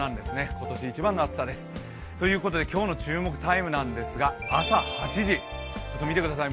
今年一番の暑さです。ということで今日の注目タイムなんですが朝８時、見てください